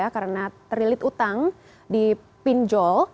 karena terlilit utang di pinjol